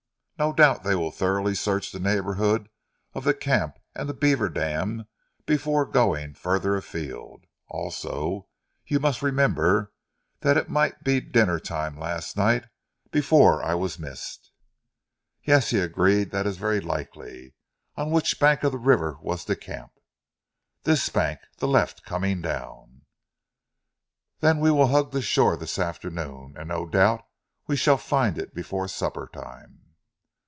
"No doubt they will thoroughly search the neighbourhood of the camp and the beaver dam before going further afield. Also, you must remember that it might be dinner time last night before I was missed." "Yes," he agreed, "that is very likely. On which bank of the river was the camp?" "This bank the left coming down." "Then we will hug the shore this afternoon, and no doubt we shall find it before supper time."